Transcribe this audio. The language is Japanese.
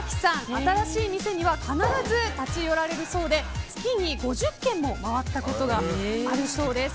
新しい店には必ず立ち寄られるそうで月に５０軒も回ったことがあるそうです。